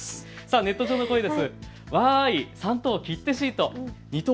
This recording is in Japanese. ネット上の声です。